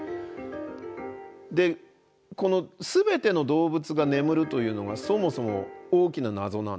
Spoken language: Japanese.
でこの全ての動物が眠るというのがそもそも大きな謎なんですね。